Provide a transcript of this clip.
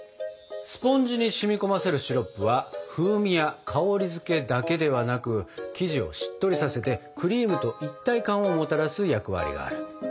スポンジに染み込ませるシロップは風味や香りづけだけではなく生地をしっとりさせてクリームと一体感をもたらす役割がある。